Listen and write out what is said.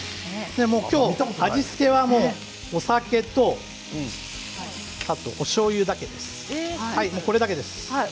今日は味付けは、お酒とあとは、おしょうゆだけです。